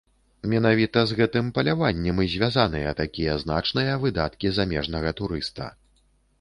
Менавіта з гэтым паляваннем і звязаныя такія значныя выдаткі замежнага турыста.